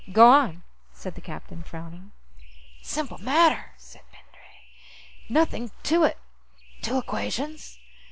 "Go on," said the captain, frowning. "Simple matter," said Pendray. "Nothing to it. Two equations.